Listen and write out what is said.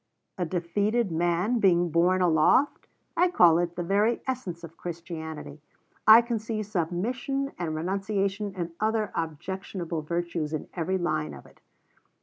"A defeated man being borne aloft? I call it the very essence of Christianity. I can see submission and renunciation and other objectionable virtues in every line of it."